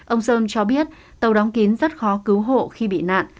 ông sơn cho biết tàu đóng kín rất khó cứu hộ khi bị nạn